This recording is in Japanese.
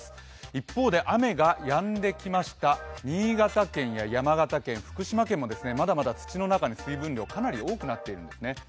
一方で雨がやんできました新潟県や山形県、福島県もまだまだ土の中に水分量、かなり多くなっているんですね。